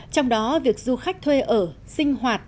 trong đó việc du khách thuê ở sinh hoạt